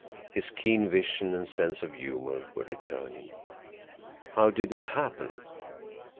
His keen vision and sense of humor were returning. "How did it happen?"